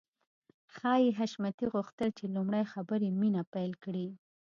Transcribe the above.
ښايي حشمتي غوښتل چې لومړی خبرې مينه پيل کړي.